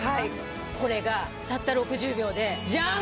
これがたった６０秒でじゃん！